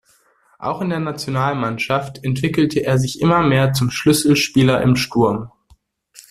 Auch in der Nationalmannschaft entwickelte er sich immer mehr zum Schlüsselspieler im Sturm.